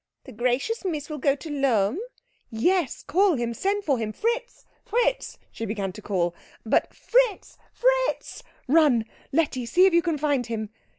"The gracious Miss will go to Lohm?" "Yes call him, send for him Fritz! Fritz!" She herself began to call. "But " "Fritz! Fritz! Run, Letty, and see if you can find him."